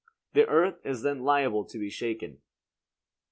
The earth is then liable to be shaken.